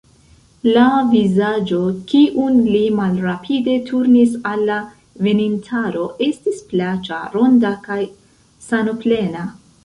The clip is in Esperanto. La vizaĝo, kiun li malrapide turnis al la venintaro, estis plaĉa, ronda kaj sanoplena.